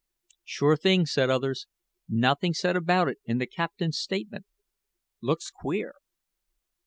"Sure thing," said others. "Nothing said about it in the captain's statement looks queer."